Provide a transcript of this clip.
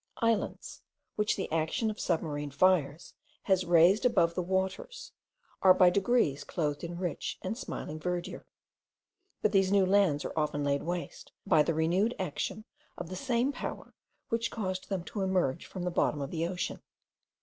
Islands, which the action of submarine fires has raised above the waters, are by degrees clothed in rich and smiling verdure; but these new lands are often laid waste by the renewed action of the same power which caused them to emerge from the bottom of the ocean.